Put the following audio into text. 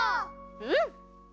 うん！